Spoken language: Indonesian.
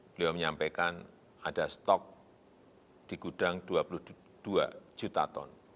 beliau menyampaikan ada stok di gudang dua puluh dua juta ton